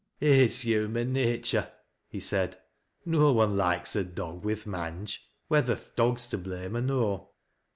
" It's human natur','' he said. " No one loikcs a doi; wi' th' mange, whether th' dog's to blame or no.